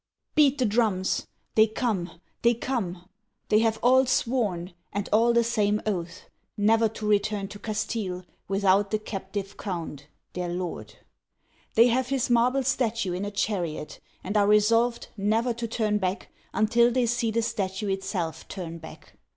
Beat the drums ! They come, they come ! They have all sworn, and all the same oath, never to return to Castile without the captive count, their lord. They have his marble statue in a chariot, and are resolved never to turn back until they see the statue itself turn back.